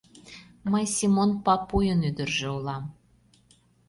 Мый Семон Папуйын ӱдыржӧ улам...